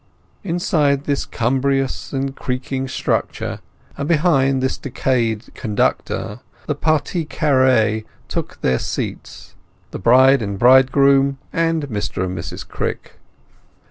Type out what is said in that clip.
Inside this cumbrous and creaking structure, and behind this decayed conductor, the partie carrée took their seats—the bride and bridegroom and Mr and Mrs Crick.